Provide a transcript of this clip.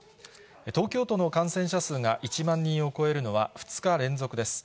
東京都の感染者数が１万人を超えるのは２日連続です。